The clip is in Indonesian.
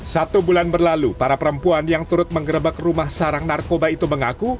satu bulan berlalu para perempuan yang turut mengerebek rumah sarang narkoba itu mengaku